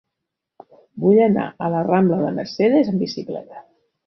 Vull anar a la rambla de Mercedes amb bicicleta.